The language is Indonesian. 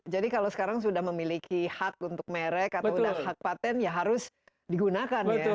jadi kalau sekarang sudah memiliki hak untuk merek atau sudah hak patent ya harus digunakan ya